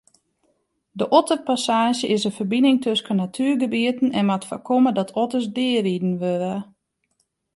De otterpassaazje is in ferbining tusken natuergebieten en moat foarkomme dat otters deariden wurde.